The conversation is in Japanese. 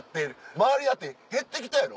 周りだって減ってきたやろ？